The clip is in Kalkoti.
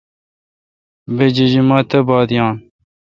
بہ جیجیما تہ بات یاں۔